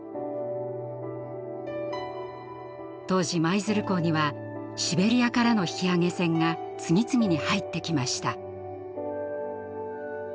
当時舞鶴港にはシベリアからの引き揚げ船が次々に入ってきました。